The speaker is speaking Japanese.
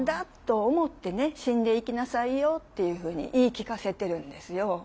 死んでいきなさいよっていうふうに言い聞かせてるんですよ。